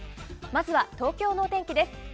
まずは、東京のお天気です。